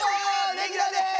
レギュラーです！